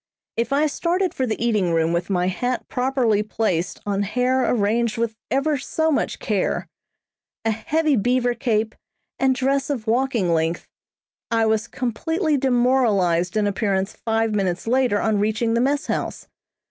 If I started for the eating room with my hat properly placed on hair arranged with ever so much care, a heavy beaver cape, and dress of walking length, I was completely demoralized in appearance five minutes later on reaching the mess house.